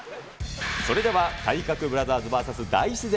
それでは体格ブラザーズＶＳ大自然。